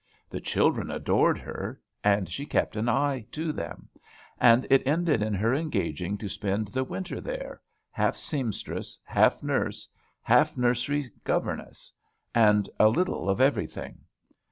The children adored her; and she kept an eye to them; and it ended in her engaging to spend the winter there, half seamstress, half nurse, half nursery governess, and a little of everything.